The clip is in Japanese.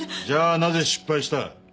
じゃあなぜ失敗した？